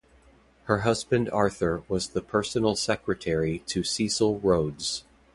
Her Husband Arthur was the personal Secretary to Cecil Rhodes.